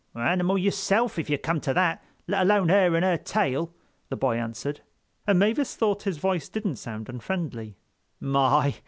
"Animal yourself, if you come to that, let alone her and her tail," the boy answered; and Mavis thought his voice didn't sound unfriendly. "My!